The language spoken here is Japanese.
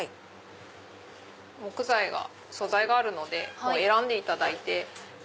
木材が素材があるので選んでいただいて。